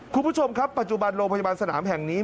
คุณผู้ชมครับปัจจุบันโรงพยาบาลสนามแห่งนี้